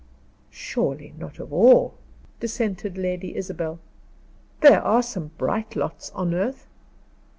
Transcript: "Surely, not of all," dissented Lady Isabel. "There are some bright lots on earth."